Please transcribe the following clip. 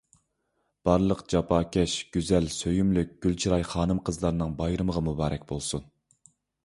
بارلىق جاپاكەش، گۈزەل، سۆيۈملۈك، گۈل چىراي خانىم-قىزلارنىڭ بايرىمىغا مۇبارەك بولسۇن.